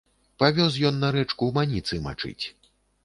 Павёз ён на рэчку маніцы мачыць.